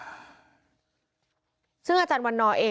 ทางคุณชัยธวัดก็บอกว่าการยื่นเรื่องแก้ไขมาตรวจสองเจน